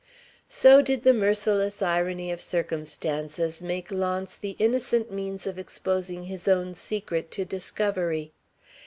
So did the merciless irony of circumstances make Launce the innocent means of exposing his own secret to discovery.